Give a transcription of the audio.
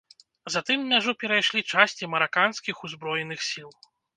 Затым мяжу перайшлі часці мараканскіх ўзброеных сіл.